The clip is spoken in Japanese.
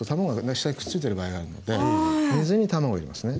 下にくっついてる場合があるので水に卵を入れますね。